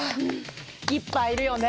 いっぱいいるよね。